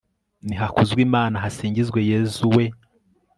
nihakuzwe imana, hasingizwe yezu, we